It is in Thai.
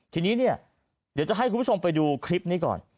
ทีนี้เนี่ยเดี๋ยวจะให้คุณผู้ชมไปดูคลิปนี้ก่อน